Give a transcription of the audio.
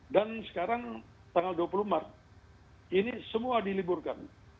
dan sekarang tanggal dua puluh maret ini semua diliburkan